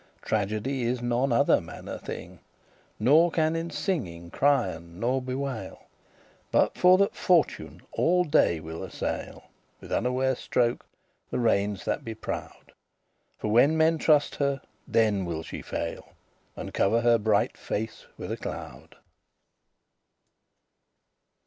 Tragedy is none other manner thing, Nor can in singing crien nor bewail, But for that Fortune all day will assail With unware stroke the regnes* that be proud:<27> *kingdoms For when men truste her, then will she fail, And cover her bright face with a cloud.